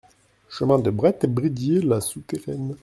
Chemin de Breith Bridiers, La Souterraine